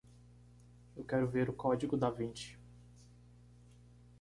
Eu quero ver o código Da Vinci